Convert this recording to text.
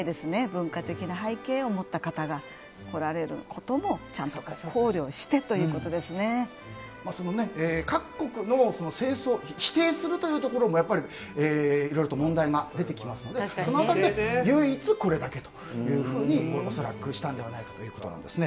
文化的な背景を持った方が来られることもちゃんとその各国の正装を否定するというところもいろいろと問題が出てきますのでその辺りで唯一これだけということに恐らくしたのではないかということです。